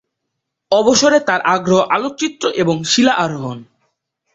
অবসরে তার আগ্রহ আলোকচিত্র এবং শিলা আরোহণ।